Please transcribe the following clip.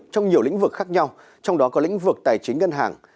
trong nhiều lĩnh vực khác nhau trong đó có lĩnh vực tài chính ngân hàng